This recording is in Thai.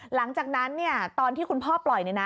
หลังจากนั้นตอนที่คุณพ่อปล่อย